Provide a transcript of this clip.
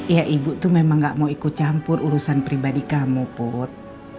ya ibu tuh memang gak mau ikut campur urusan pribadi kamu put